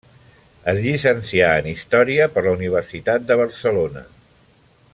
Es llicencià en Història per la Universitat de Barcelona.